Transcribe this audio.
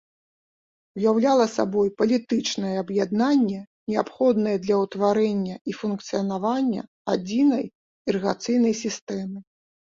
Уяўляла сабой палітычнае аб'яднанне, неабходнае для ўтварэння і функцыянавання адзінай ірыгацыйнай сістэмы.